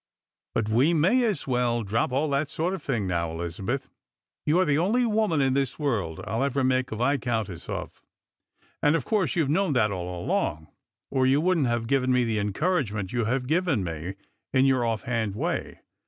But we may as well drop all that sort of thing now, Elizabeth. You are the only woman in this world £"11 ever make a viscountess of; and of course you've known that all along, or you wouldn't have given me the encourage ment you have given me, in your ofiliand way.